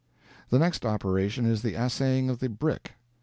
The next operation is the assaying of the brick.